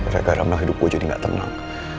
raga ramlal hidup gue jadi gak tenang